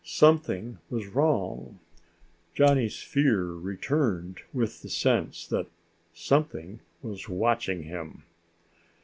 Something was wrong! Johnny's fear returned with the sense that something was watching him.